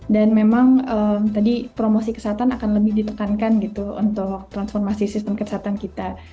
dan memang tadi promosi kesehatan akan lebih ditekankan gitu untuk transformasi sistem kesehatan kita